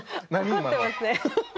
怒ってますね。